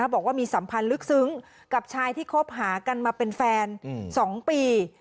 บอกว่ามีสัมพันธ์ลึกซึ้งกับชายที่คบหากันมาเป็นแฟน๒ปี